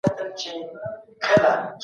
مصر ته سفر کېږي.